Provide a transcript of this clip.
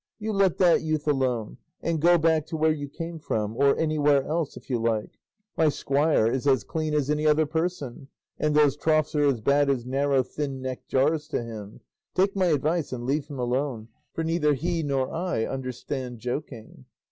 you let that youth alone, and go back to where you came from, or anywhere else if you like; my squire is as clean as any other person, and those troughs are as bad as narrow thin necked jars to him; take my advice and leave him alone, for neither he nor I understand joking."